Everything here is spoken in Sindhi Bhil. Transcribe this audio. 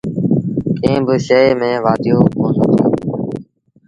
ڪݩهݩ با شئي ميݩ وآڌيو ڪوندو ٿئي۔